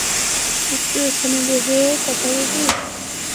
একটু এখানে বসে কথা বলি?